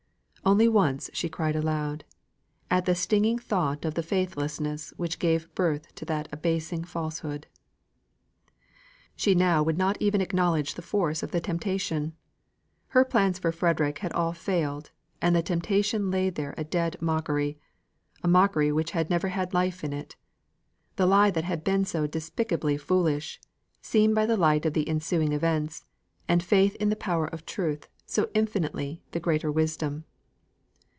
Only once she cried aloud, at the stinging thought of the faithlessness which gave birth to that abasing falsehood. She now would not even acknowledge the force of the temptation; her plans for Frederick had all failed, and the temptation lay there a dead mockery, a mockery which had never had life in it; the lie had been so despicably foolish, seen by the light of the ensuing events, and faith in the power of truth so infinitely the greater wisdom!